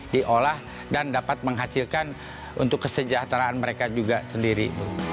diolah dan dapat menghasilkan untuk kesejahteraan mereka juga sendiri